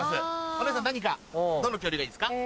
お姉さん何かどの恐竜がいいですか？